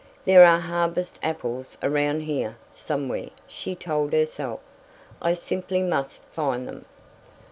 "There are harvest apples around here, somewhere," she told herself. "I simply must find them."